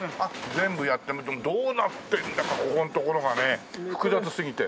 全部やってみてもどうなってるんだかここのところがね複雑すぎて。